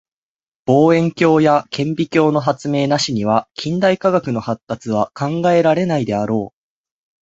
望遠鏡や顕微鏡の発明なしには近代科学の発達は考えられないであろう。